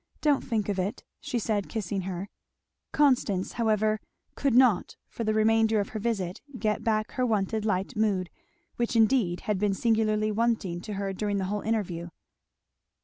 Don't think of it," she said kissing her. Constance however could not for the remainder of her visit get back her wonted light mood, which indeed had been singularly wanting to her during the whole interview.